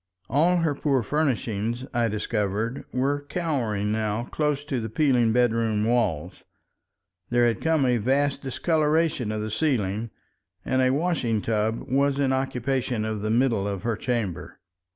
All her poor furnishings, I discovered, were cowering now close to the peeling bedroom walls; there had come a vast discoloration of the ceiling, and a washing tub was in occupation of the middle of her chamber.